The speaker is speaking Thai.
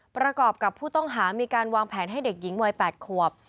ประกอบกับผู้ต้องหามีการวางแผนให้เด็กหญิงวัย๘ขวบ